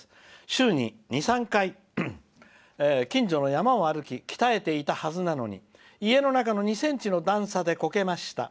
週に２３回近所の山を歩き鍛えていたはずなのに家の中の２ｃｍの段差でこけました。